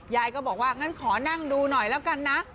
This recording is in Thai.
ยายก็บอกว่างั้นขอนั่งดูหน่อยแล้วกันนะ